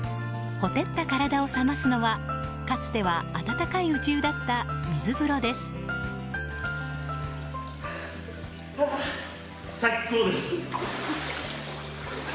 火照った体を冷ますのはかつては温かい内湯だった水風呂です。